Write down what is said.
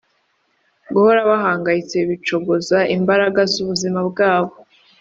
guhora bahangayitse bicogoza imbaraga z’ubuzima bwabo